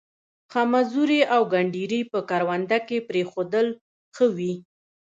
خمزوري او گنډري په کرونده کې پرېښودل ښه وي.